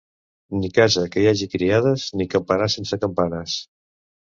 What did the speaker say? Ni casa que hi hagi criades, ni campanar sense campanes.